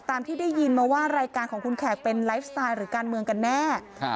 ตามที่ได้ยินมาว่ารายการของคุณแขกเป็นไลฟ์สไตล์หรือการเมืองกันแน่